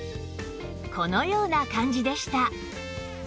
このような感じでした